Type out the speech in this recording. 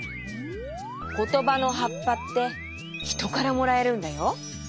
ことばのはっぱってひとからもらえるんだよ。